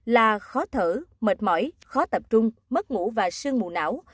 là khó thở mệt mỏi khó tập trung mất ngủ và sương mù não